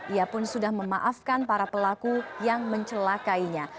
ia pun sudah memaafkan para pelaku yang mencelakainya